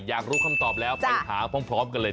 อยากรู้คำตอบแล้วไปหาพร้อมกันเลย